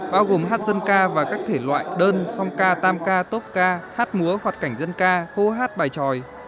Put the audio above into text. bao gồm hát dân ca và các thể loại đơn song ca tam ca tốt ca hát múa hoặc cảnh dân ca hô hát bài tròi